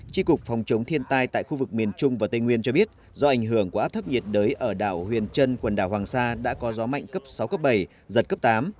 tri cục phòng chống thiên tai tại khu vực miền trung và tây nguyên cho biết do ảnh hưởng của áp thấp nhiệt đới ở đảo huyền trân quần đảo hoàng sa đã có gió mạnh cấp sáu cấp bảy giật cấp tám